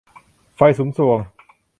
ไฟสุมทรวง